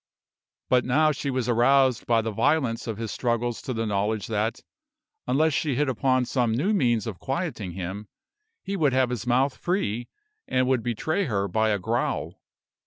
But now she was aroused by the violence of his struggles to the knowledge that, unless she hit upon some new means of quieting him, he would have his mouth free, and would betray her by a growl.